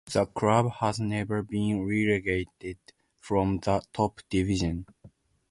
The club has never been relegated from the top division.